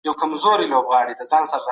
کارپوهانو به د مظلومانو کلکه ساتنه کوله.